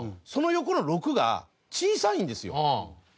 その横の６が小さいんですよ。